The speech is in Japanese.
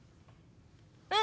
うん！